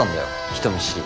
人見知り。